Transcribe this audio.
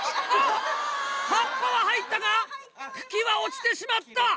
葉っぱは入ったが茎は落ちてしまった！